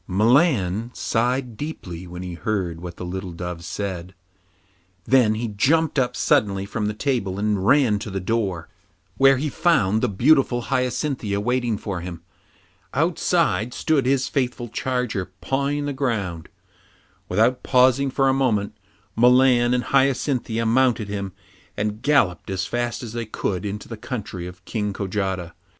Milan sighed deeply when he heard what the little dove said. Then he jumped up suddenly from the table and ran to the door, where he found the beautiful Hyacinthia waiting for him. Outside stood his faithful charger, pawing the ground. Without pausing for a moment, Milan and Hyacinthia mounted him and galloped as fast as they could into the country of King Kojata.